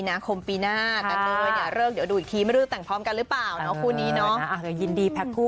ถ้าทุกวันนี้ที่เป็นอยู่